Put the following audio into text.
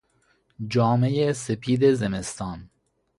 جامهی سپید زمستان